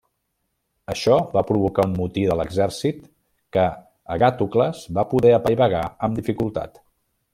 Això va provocar un motí de l'exèrcit que Agàtocles va poder apaivagar amb dificultat.